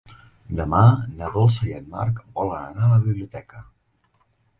Demà na Dolça i en Marc volen anar a la biblioteca.